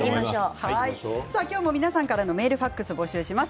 今日も皆さんからのメール、ファックスを募集します。